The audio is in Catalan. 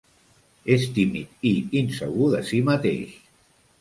És tímid i insegur de si mateix.